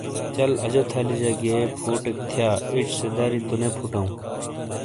چل اجہ تھلی جہ گیئے فوٹیک تھیا ایچ سے دری تو نے پھوٹاؤں۔